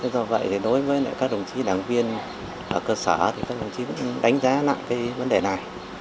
do vậy thì đối với các đồng chí đảng viên ở cơ sở thì các đồng chí cũng đánh giá nặng cái vấn đề này